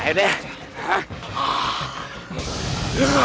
ayo kita ajak dia